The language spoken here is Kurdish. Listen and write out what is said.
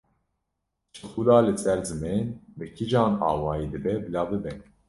Şixula li ser zimên bi kîjan awayî dibe bila bibe.